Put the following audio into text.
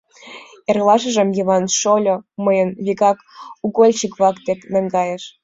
Эрлашыжым Йыван шольо мыйым вигак угольщик-влак дек наҥгайыш.